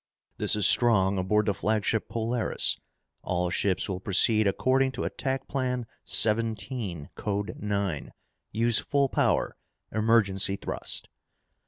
"This is Strong aboard the flagship Polaris! All ships will proceed according to attack plan seventeen code nine. Use full power! Emergency thrust!"